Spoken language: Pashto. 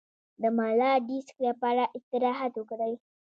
د ملا د ډیسک لپاره استراحت وکړئ